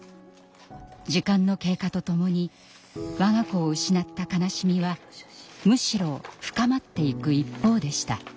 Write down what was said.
時間の経過とともに我が子を失った悲しみはむしろ深まっていく一方でした。